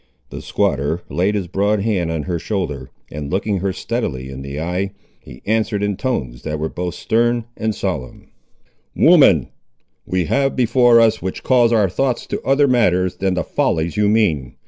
The squatter laid his broad hand on her shoulder, and looking her steadily in the eye, he answered, in tones that were both stern and solemn— "Woman, we have that before us which calls our thoughts to other matters than the follies you mean.